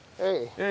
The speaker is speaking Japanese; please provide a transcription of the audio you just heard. はい。